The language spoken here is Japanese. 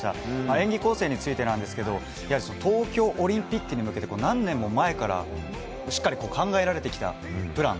演技構成についてなんですが東京オリンピックに向けて何年も前からしっかり考えられてきたプラン。